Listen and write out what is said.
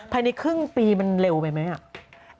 ภายในครึ่งปีมันเร็วไปไหม